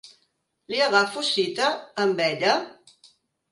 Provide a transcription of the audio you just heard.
Li agafo cita amb ella?